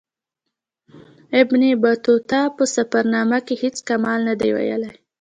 ابن بطوطه په سفرنامې کې هیڅ کمال نه دی ویلی.